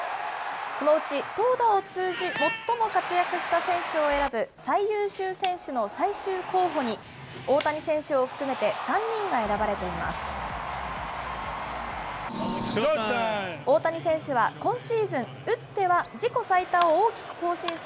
このうち、投打を通じ、最も活躍した選手を選ぶ最優秀選手の最終候補に、大谷選手を含めて、３人が選ばれています。